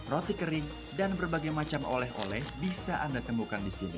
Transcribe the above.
roti kering dan berbagai macam oleh oleh bisa anda temukan di sini